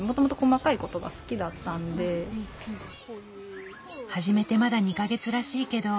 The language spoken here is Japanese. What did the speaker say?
始めてまだ２か月らしいけど。